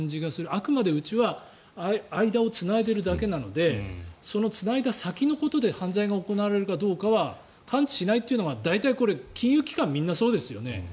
あくまで、うちは間をつないでいるだけなのでそのつないだ先のことで犯罪が行われるかどうかは関知しないというのが大体、金融機関はみんなそうですよね。